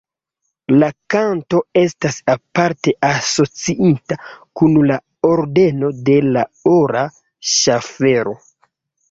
La kanto estas aparte asociita kun la Ordeno de la Ora Ŝaffelo.